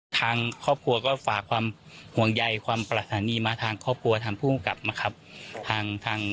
ทางครอบครัวก็ฝากความห่วงใยความประธานีมาทางครอบครัวทาง